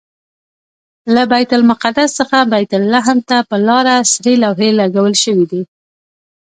له بیت المقدس څخه بیت لحم ته پر لاره سرې لوحې لګول شوي دي.